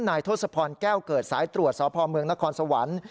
ทศพรแก้วเกิดสายตรวจสพเมืองนครสวรรค์